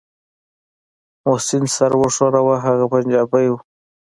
محسن سر وښوراوه هغه پنجابى و.